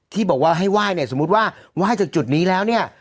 ที่บอกว่าให้ไหว้เนี่ยสมมุติว่าไหว้จากจุดนี้แล้วเนี่ย